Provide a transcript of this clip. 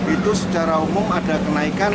itu secara umum ada kenaikan